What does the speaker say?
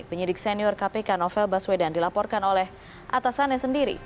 penyidik senior kpk novel baswedan dilaporkan oleh atasannya sendiri